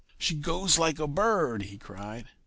"She goes like a bird," he cried.